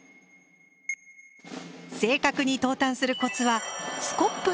正確に投炭するコツはスコップの使い方。